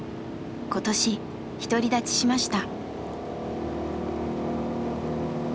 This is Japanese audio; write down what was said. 今年独り立ちしました。